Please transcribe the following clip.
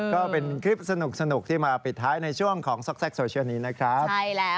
ก็เป็นคลิปสนุกที่มาปิดท้ายในช่วงของซอกโซเชียลนี้นะครับ